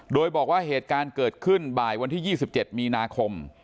โดยบอกว่าเหตุการณ์เกิดขึ้นบ่ายวันที่๒๗มีนาคม